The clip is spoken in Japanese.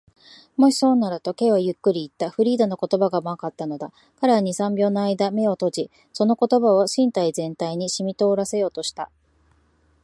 「もしそうなら」と、Ｋ はゆっくりといった。フリーダの言葉が甘かったのだ。彼は二、三秒のあいだ眼を閉じ、その言葉を身体全体にしみとおらせようとした。